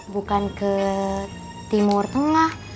bukan ke timur tengah